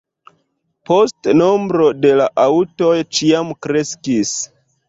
Poste nombro de la aŭtoj ĉiam kreskis.